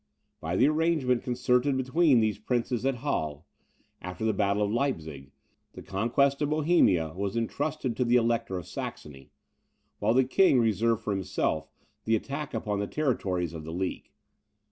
By the arrangement concerted between these princes at Halle, after the battle of Leipzig, the conquest of Bohemia was intrusted to the Elector of Saxony, while the King reserved for himself the attack upon the territories of the League.